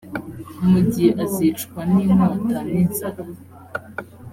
mugi azicwa n’inkota n’inzara